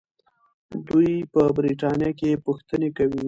دوی په برتانیا کې پوښتنې کوي.